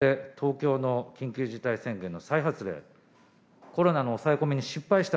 オリンピック目前で、東京の緊急事態宣言の再発令、コロナの抑え込みに失敗した。